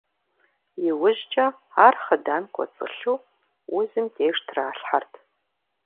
Иужькӏэ ар хъыдан кӏуэцӏылъу узым деж тралъхьэрт.